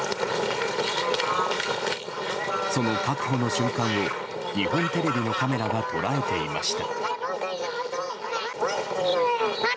その確保の瞬間を、日本テレビのカメラが捉えていました。